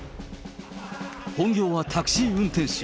本業はタクシー運転手。